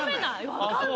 分かんない。